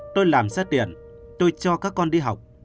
tôi làm sát điện tôi cho các con đi học